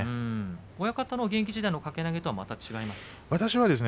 親方の現役時代の掛け投げとは違いますか。